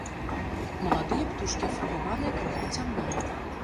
Маладыя птушкі афарбаваныя крыху цямней.